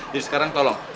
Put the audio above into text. jadi sekarang tolong